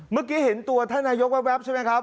เมื่อกี้เห็นตัวท่านนายกแว๊บใช่ไหมครับ